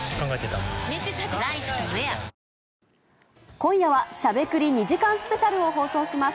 今夜はしゃべくり２時間スペシャルを放送します。